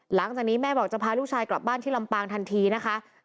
หลังจากนี้แม่บอกจะพาลูกชายกลับบ้านที่ลำปางทันทีนะคะ